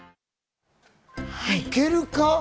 いけるか？